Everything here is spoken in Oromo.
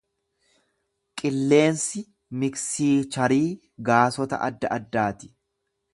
Qilleensi miiksicharii gaasota adda addaati.